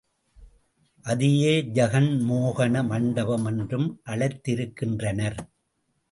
அதையே ஜகன் மோகன மண்டபம் என்றும் அழைத்திருக்கின்றனர்.